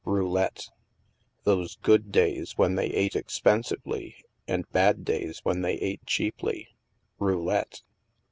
Roulette. Those good days when they ate expensively and bad days when they ate cheaply ! Roulette.